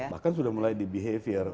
bahkan sudah mulai di behavior